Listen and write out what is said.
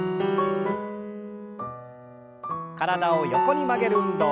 体を横に曲げる運動。